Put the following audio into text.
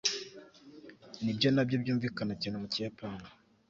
nibyo nabyo byumvikana cyane mu kiyapani